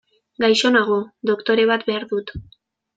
Gaixo nago, doktore bat behar dut.